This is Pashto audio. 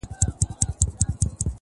ټول مرغان دي په یوه خوله او سلا وي!